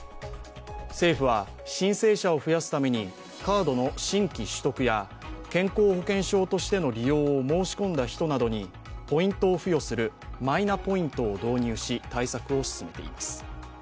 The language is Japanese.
政府は、申請者を増やすためにカードの新規取得や健康保険証としての利用を申し込んだ人などにポイントを付与するマイナポイントを導入し、対策を進めています。